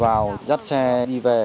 vào dắt xe đi về